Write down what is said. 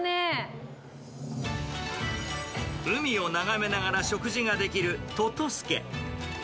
海を眺めながら食事ができるととすけ。